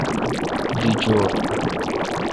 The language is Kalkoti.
دی ڄور۔